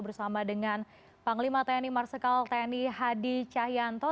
bersama dengan panglima tni marsikal tni hadi cahyanto